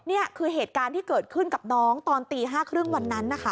นี่คือเหตุการณ์ที่เกิดขึ้นกับน้องตอนตี๕๓๐วันนั้นนะคะ